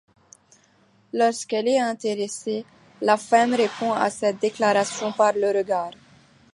Lorsqu'elle est intéressée, la femme répond à cette déclaration par le regard.